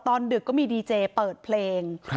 ดึกก็มีดีเจเปิดเพลง